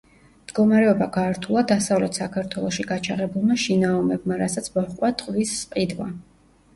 მდგომარეობა გაართულა დასავლეთ საქართველოში გაჩაღებულმა შინაომებმა, რასაც მოჰყვა ტყვის სყიდვა.